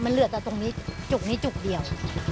มันเหลือแต่ตรงนี้จุกนี้จุกเดียว